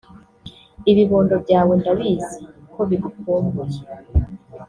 Ibibondo byawe ndabizi ko bigukumbuye